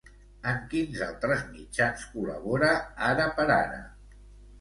En quins altres mitjans col·labora ara per ara?